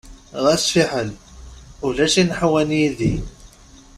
Ɣas fiḥel, ulac ineḥwan yid-i!